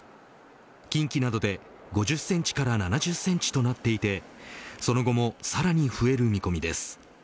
近畿などで５０センチから７０センチとなっていてその後もさらに増える見込みです。